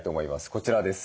こちらです。